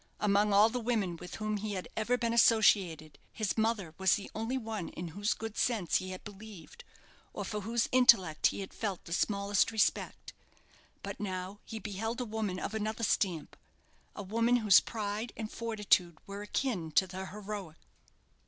Among all the women with whom he had ever been associated, his mother was the only one in whose good sense he had believed, or for whose intellect he had felt the smallest respect. But now he beheld a woman of another stamp a woman whose pride and fortitude were akin to the heroic.